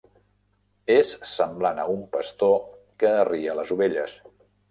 És semblant a un pastor que arria les ovelles.